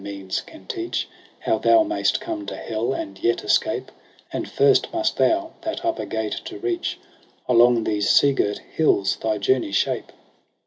17 ' Hearken ; for I the road and means can teach How thou mayst come to hell and yet escape. And first must thou, that upper gate to reach. Along these seagirt hills thy journey shape.